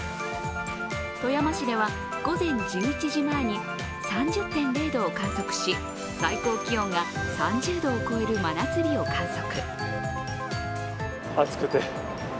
富山市では午前１１時前に３０．０度を観測し最高気温が３０度を超える真夏日を観測。